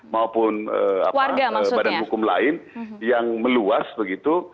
maupun badan hukum lain yang meluas begitu